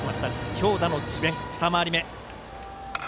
強打の智弁、２回り目。